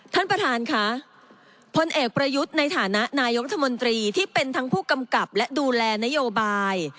ท่านประธานค่ะพลเอกประยุทธ์ในฐานะนายกรัฐมนตรีที่เป็นทั้งผู้กำกับและดูแลนโยบาย